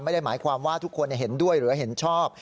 ไม่ได้หมายความว่าทุกคนเห็นด้วยหรือเห็นชอบ